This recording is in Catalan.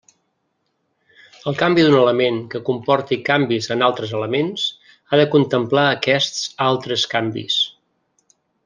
El canvi d'un element que comporti canvis en altres elements ha de contemplar aquests altres canvis.